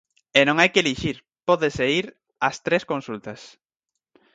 E non hai que elixir, pódese ir ás tres consultas.